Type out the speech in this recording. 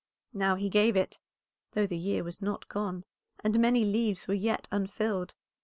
Now he gave it, though the year was not gone, and many leaves were yet unfilled.